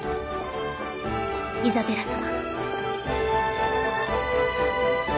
イザベラ様。